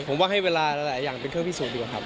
ผมว่าให้เวลาหลายอย่างเป็นเครื่องพิสูจน์ดีกว่าครับ